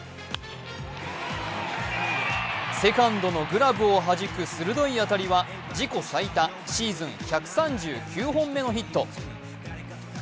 セカンドのグラブをはじく鋭い当たりは自己最多シーズン１３９本目のヒット。